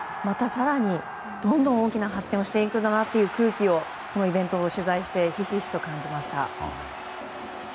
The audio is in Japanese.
更に、どんどん大きな発展をしてくんだなという空気をこのイベントを取材してひしひしと感じました。